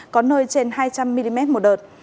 có nơi trên hai trăm linh mm một đợt